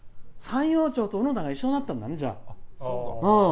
山陽町と小野田が一緒になったんだね。